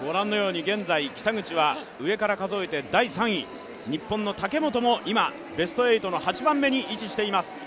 現在北口は上から数えて第３位、日本の武本もベスト８の８番目に位置しています。